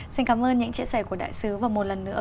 xin cảm ơn những chia sẻ của đại sứ và một lần nữa